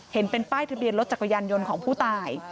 เห็นเป็นป้ายทะเบียนรถจักรยานยนต์ของผู้ตาย